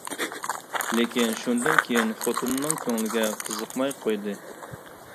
لېكىن شۇندىن كېيىن خوتۇنىنىڭ كۆڭلىگە قىزىقماي قويدى.